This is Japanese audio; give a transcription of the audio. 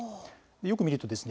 よく見るとですね